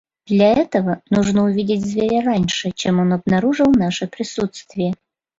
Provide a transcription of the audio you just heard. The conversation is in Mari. Для этого нужно увидеть зверя раньше, чем он обнаружил наше присутствие.